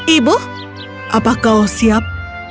ibu apakah kau siap